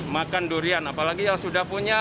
makan durian apalagi yang sudah punya